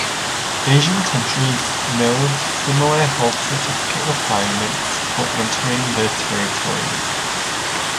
Asian countries know similar health certificate requirements for entering their territories.